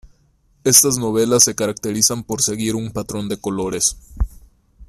Estas novelas se caracterizan por seguir un patrón de colores.